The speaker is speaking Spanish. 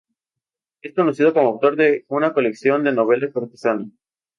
Es conocido como autor de una colección de novela cortesana.